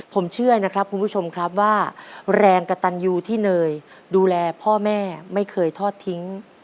ผมเชื่อนะครับคุณผู้ชมครับว่าแรงกระตันยูที่เนยดูแลพ่อแม่ไม่เคยทอดทิ้ง